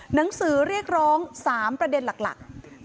หนังสือเรียกร้อง๓ประเด็นหลัก